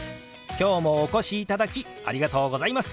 今日もお越しいただきありがとうございます。